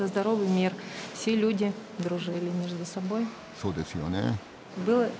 そうですよね。